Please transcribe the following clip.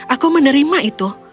aku menerima itu